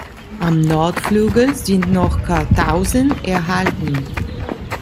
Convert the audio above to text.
Am Nordflügel sind noch Kartausen erhalten.